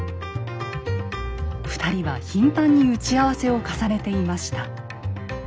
２人は頻繁に打ち合わせを重ねていました。